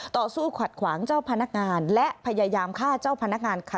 ต่อสู้ขัดขวางเจ้าพนักงานและพยายามฆ่าเจ้าพนักงานค่ะ